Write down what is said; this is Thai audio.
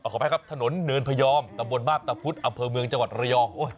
ขออภัยครับถนนเนินพยอมตำบลมาพตะพุธอำเภอเมืองจังหวัดระยอง